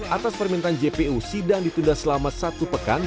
atas permintaan jpu sidang ditunda selama satu pekan